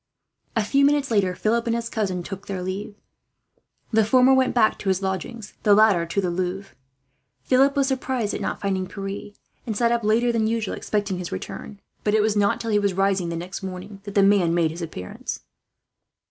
A few minutes later, Philip and his cousin took their leave. The former went back to his lodgings, the latter to the Louvre. Philip was surprised at not finding Pierre, and sat up later than usual, expecting his return; but it was not till he was rising next morning that the man made his appearance.